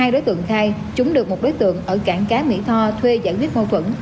hai đối tượng khai chúng được một đối tượng ở cảng cá mỹ tho thuê giải quyết môi phẩm